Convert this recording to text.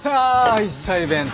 愛妻弁当！